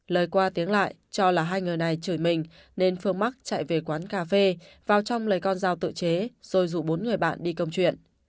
lời qua tiếng lại cho là hai người này chửi mình nên phương mắc chạy về quán cà phê vào trong lấy con dao tự chế rồi rủ bốn người bạn đi câu chuyện